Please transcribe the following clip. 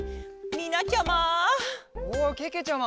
みなちゃま。